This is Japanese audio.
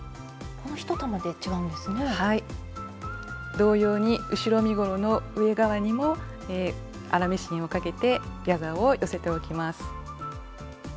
同様に後ろ身ごろの上側にも粗ミシンをかけてギャザーを寄せておきます。